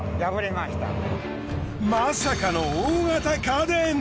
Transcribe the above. まさかの大型家電！